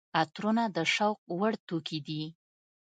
عطرونه د شوق وړ توکي دي.